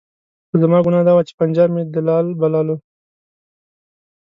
خو زما ګناه دا وه چې پنجاب مې دلال بللو.